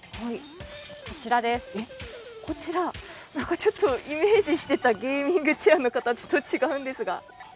ちょっとイメージしてたゲーミングチェアの形と違うんですが。